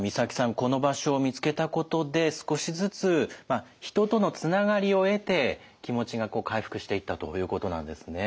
この場所を見つけたことで少しずつ人とのつながりを得て気持ちが回復していったということなんですね。